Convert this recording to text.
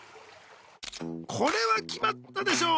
これは決まったでしょう